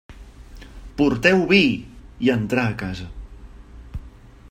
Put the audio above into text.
«Porteu vi!», i entrà a casa.